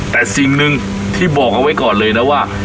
แต่สิ่งหนึ่งที่บอกเอาไว้ก่อนเลยนะว่า